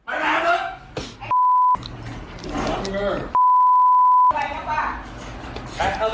ไแพง